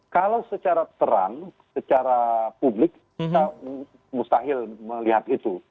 kalau secara terang secara publik kita mustahil melihat itu